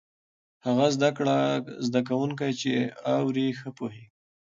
هغه زده کوونکی چې اوري، ښه پوهېږي.